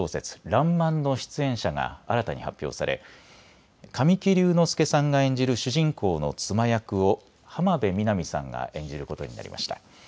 らんまんの出演者が新たに発表され、神木隆之介さんが演じる主人公の妻役を浜辺美波さんが演じることになりました。